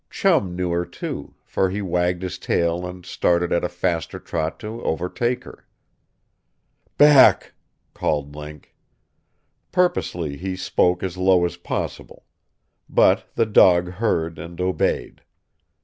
Chum knew her, too, for he wagged his tail and started at a faster trot to overtake her. "Back!" called Link. Purposely he spoke as low as possible. But the dog heard and obeyed.